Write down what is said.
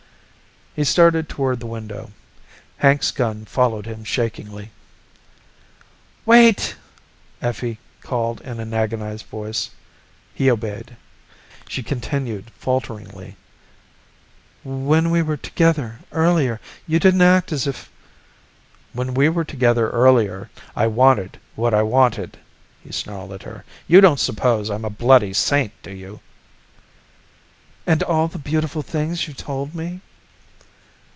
He started toward the window. Hank's gun followed him shakingly. "Wait!" Effie called in an agonized voice. He obeyed. She continued falteringly, "When we were together earlier, you didn't act as if ..." "When we were together earlier, I wanted what I wanted," he snarled at her. "You don't suppose I'm a bloody saint, do you?" "And all the beautiful things you told me?"